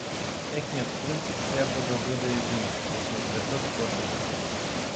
Техният принцип трябва да бъде един: да си оплетат кошницата.